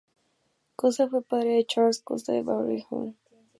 Costa fue padre de Charles Costa de Beauregard.